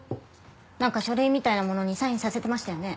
なんか書類みたいなものにサインさせてましたよね？